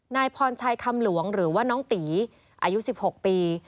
นายพรชัยคำหลวงหรือว่าน้องตีอายุ๑๖ปี